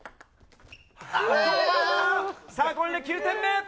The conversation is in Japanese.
これで９点目。